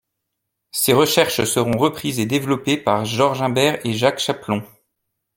Ses recherches seront reprises et développées par Georges Humbert et Jacques Chapelon.